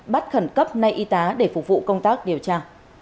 bắt khẩn cấp nay y tá để phục vụ công tác điều tra